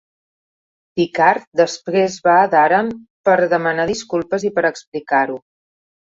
Picard després va a Daren per demanar disculpes i per explicar-ho.